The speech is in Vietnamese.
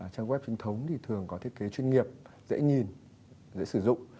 trang web trình thống thường có thiết kế chuyên nghiệp dễ nhìn dễ sử dụng